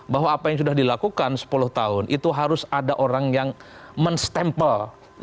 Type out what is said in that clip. bahwa apa yang sudah dilakukan sepuluh tahun itu harus ada orang yang men stempel